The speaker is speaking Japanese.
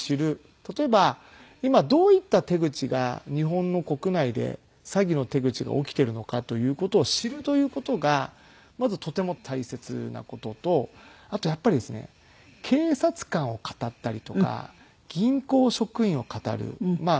例えば今どういった手口が日本の国内で詐欺の手口が起きているのかという事を知るという事がまずとても大切な事とあとやっぱりですね警察官をかたったりとか銀行職員をかたる税務署職員をかたる。